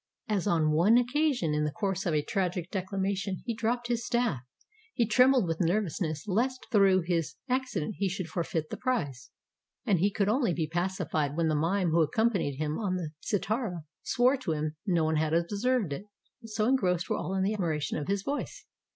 As on one occasion in the course of tragic declamation he dropped his staff, he trembled with nervousness lest through this accident he should forfeit the prize; and he could only be pacified when the mime who accompanied him on the cithara swore to him that no one had observed it, so engrossed were all in admiration of his voice.